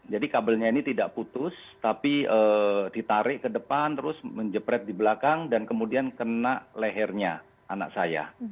jadi kabelnya ini tidak putus tapi ditarik ke depan terus menjepret di belakang dan kemudian kena lehernya anak saya